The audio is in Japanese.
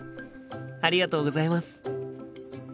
ありがとうございます。